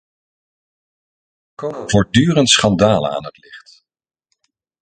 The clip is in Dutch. Er komen voortdurend schandalen aan het licht.